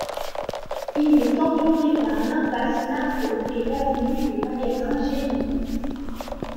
Il est entouré par l'impasse Marteau et l'avenue des Magasins-Généraux.